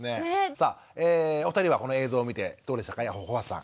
さあお二人はこの映像を見てどうでしたか帆足さん